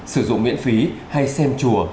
sử dụng miễn phí hay xem chùa